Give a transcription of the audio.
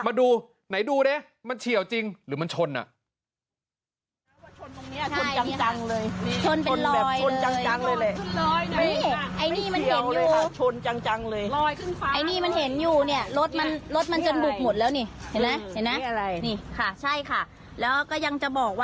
มาดูไหนดูดิมันเฉียวจริงหรือมันชนอ่ะ